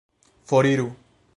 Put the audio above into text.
Foriru!